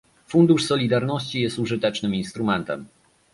Fundusz solidarności jest użytecznym instrumentem